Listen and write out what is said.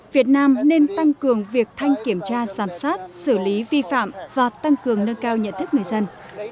việt nam nên tăng cường việc thanh kiểm tra giám sát xử lý vi phạm và tăng cường nâng cao nhận thức người dân